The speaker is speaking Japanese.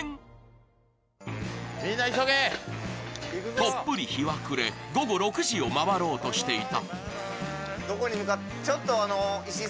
とっぷり日は暮れ午後６時を回ろうとしていた。